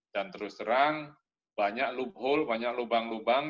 dan terus terang banyak loophole banyak lubang lubang